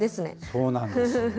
そうなんです。